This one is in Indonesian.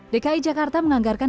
dki jakarta menganggarkan